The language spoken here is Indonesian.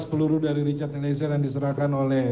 dua belas peluru dari richard hellesian yang diserahkan oleh